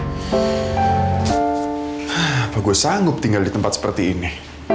hah apa gue sanggup tinggal di tempat seperti ini